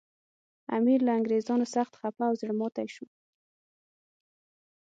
امیر له انګریزانو سخت خپه او زړه ماتي شو.